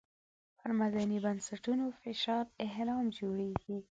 پر مدني بنسټونو فشاري اهرم جوړېږي.